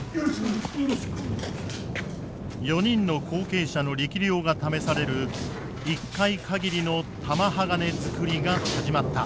４人の後継者の力量が試される一回かぎりの玉鋼づくりが始まった。